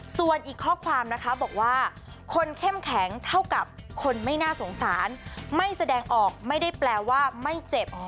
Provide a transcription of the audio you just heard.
ส่วนอีกข้อความนะคะบอกว่าคนเข้มแข็งเท่ากับคนไม่น่าสงสารไม่แสดงออกไม่ได้แปลว่าไม่เจ็บ